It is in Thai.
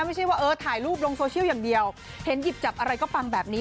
ไม่ใช่ว่าเออถ่ายรูปลงโซเชียลอย่างเดียวเห็นหยิบจับอะไรก็ปังแบบนี้